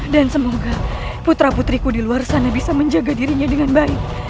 dan semoga putra putriku di luar sana bisa menjaga dirinya dengan baik